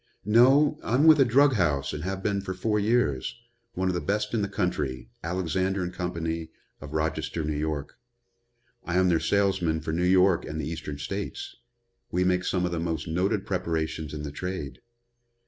"No, I'm with a drug house and have been for four years, one of the best in the country, Alexander & Company, of Rochester, New York. I am their salesman for New York and the Eastern States. We make some of the most noted preparations in the trade."